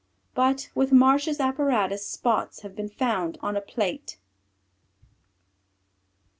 But with Marsh's apparatus spots have been found on a plate.